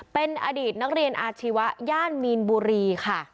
เป็นอดีตนักเรียนอาชีวะย่านมีนบุรีค่ะ